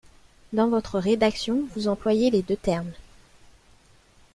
Dans votre rédaction, vous employez les deux termes.